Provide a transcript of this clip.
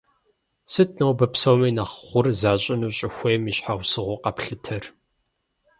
Сыт нобэ псоми нэхъ гъур защӏыну щӏыхуейм и щхьэусыгъуэу къэплъытэр?